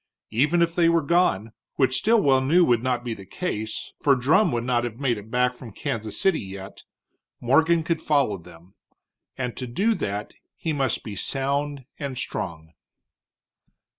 Even if they were gone, which Stilwell knew would not be the case for Drumm would not have made it back from Kansas City yet, Morgan could follow them. And to do that he must be sound and strong.